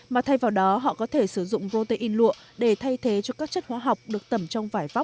mà thay vào đó họ có thể sử dụng protein lụa để thay thế cho các chất hóa học được tẩm trong vải vắt